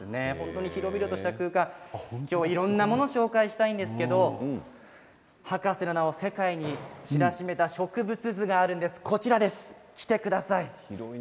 広々とした空間、いろんなものを紹介したいんですけれど博士の名を世界に知らしめた植物図がこちらです。